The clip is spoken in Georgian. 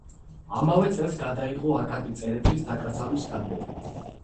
ამავე წელს გადაიღო აკაკი წერეთლის დაკრძალვის კადრები.